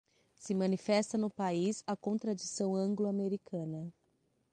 se manifesta no país a contradição anglo-americana